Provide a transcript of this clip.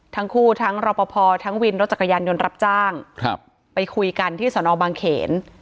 ทั้งคู่ทั้งรอปภทั้งวินรถจักรยานยนต์รับจ้างครับไปคุยกันที่สนบางเขน